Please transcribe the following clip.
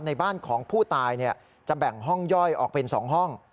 ในบ้านของผู้ตายจะแบ่งห้องย่อยออกเป็น๒ห้อง